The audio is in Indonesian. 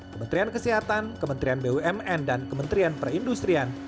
kementerian kesehatan kementerian bumn dan kementerian perindustrian